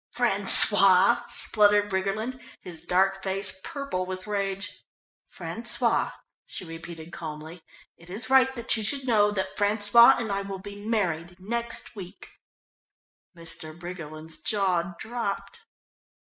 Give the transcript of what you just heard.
"François," spluttered Briggerland, his dark face purple with rage. "François," she repeated calmly. "It is right that you should know that François and I will be married next week." Mr. Briggerland's jaw dropped.